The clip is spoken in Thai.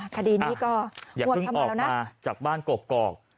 คดีนี้ก็วงทำอย่างไรแล้วนะอย่าเพิ่งออกมาจากบ้านกรก